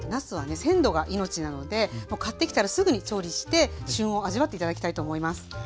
鮮度が命なので買ってきたらすぐに調理して旬を味わって頂きたいと思います。